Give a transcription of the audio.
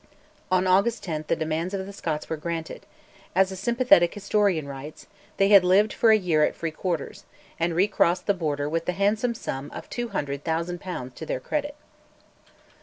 On August 10 the demands of the Scots were granted: as a sympathetic historian writes, they had lived for a year at free quarters, "and recrossed the Border with the handsome sum of 200,000 pounds to their credit."